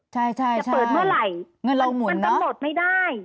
ใช่ใช่มันก็หมดไม่ได้จะเปิดเมื่อไหร่